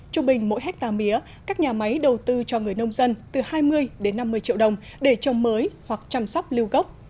trung bình mỗi hectare mía các nhà máy đầu tư cho người nông dân từ hai mươi đến năm mươi triệu đồng để trồng mới hoặc chăm sóc lưu gốc